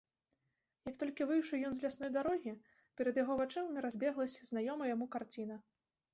Як толькі выйшаў ён з лясной дарогі, перад яго вачыма разбеглася знаёмая яму карціна.